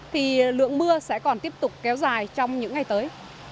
thì lượng mưa sẽ còn tiếp tục kéo dài trong những ngày tới